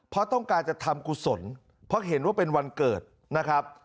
เพราะต้องการจะทำกุศลเพราะเห็นว่าเป็นวันเกิดนะครับ